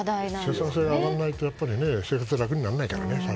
生産性が上がらないと生活は楽にならないからね。